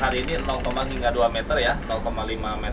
kalau wajib menempatkan yang warna cbekens shared settlements